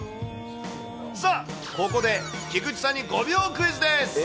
さあ、ここで菊池さんに５秒クイズです。